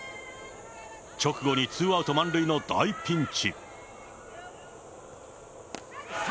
直後にツーアウト満塁の大ピンチ。